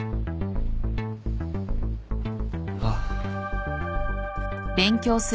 ああ。